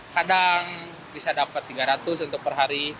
kadang bisa dapat tiga ratus untuk perhari